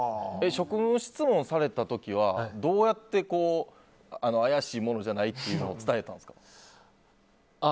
職務質問された時はどうやって怪しい者じゃないっていうのを伝えたんですか？